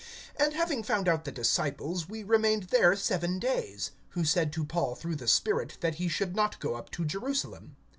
(4)And having found out the disciples, we remained there seven days; who said to Paul through the Spirit, that he should not go up to Jerusalem.